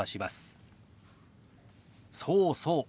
そうそう。